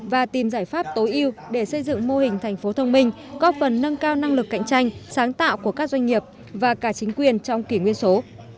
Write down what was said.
và tìm giải pháp tối ưu để xây dựng mô hình thành phố thông minh có phần nâng cao năng lực cạnh tranh sáng tạo của các doanh nghiệp và cả chính quyền trong kỷ nguyên số